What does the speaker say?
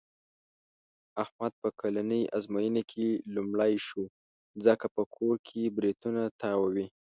احمد په کلنۍ ازموینه کې لومړی شو. ځکه په کور کې برېتونه تاووي.